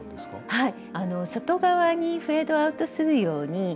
はい。